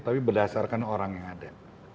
tapi berdasarkan orang yang ada